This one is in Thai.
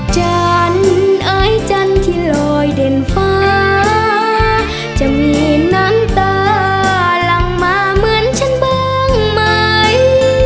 จันทร์อายจันทร์ที่ลอยเด่นฟ้าจะมีน้ำตาหลังมาเหมือนฉันบ้างไหม